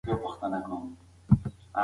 که ککړتیا کمه شي، عامه روغتیا ښه کېږي.